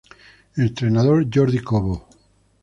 Entrenador: Jordi Cobo